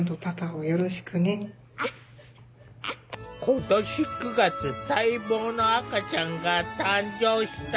今年９月待望の赤ちゃんが誕生した！